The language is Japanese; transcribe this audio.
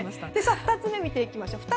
２つ目を見ていきましょう。